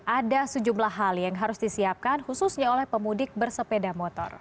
ada sejumlah hal yang harus disiapkan khususnya oleh pemudik bersepeda motor